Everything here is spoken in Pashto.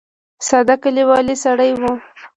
ساده کلیوالي سړی و.